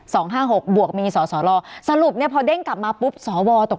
ห้าหกบวกมีสอสอรอสรุปเนี่ยพอเด้งกลับมาปุ๊บสวตก